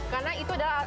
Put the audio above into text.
karena itu adalah